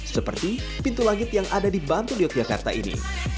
seperti pintu langit yang ada di bantul yogyakarta ini